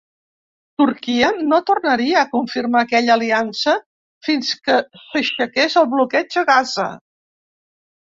Turquia no tornaria a confirmar aquella aliança fins que s'aixequés el bloqueig a Gaza.